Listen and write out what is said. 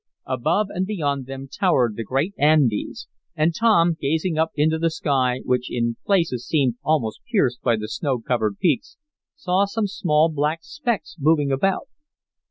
Above and beyond them towered the great Andes, and Tom, gazing up into the sky, which in places seemed almost pierced by the snow covered peaks, saw some small black specks moving about.